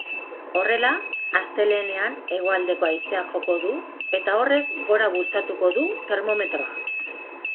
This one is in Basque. Horrela, astelehenean hegoaldeko haizeak joko du eta horrek gora bultzatuko du termometroa.